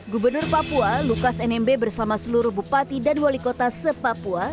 gubernur papua lukas nmb bersama seluruh bupati dan wali kota se papua